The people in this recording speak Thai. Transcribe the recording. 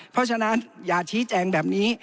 เพราะฉะนั้นอย่าชี้แจงแบบนี้